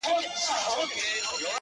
له خپل کوششه نا امیده نه وي,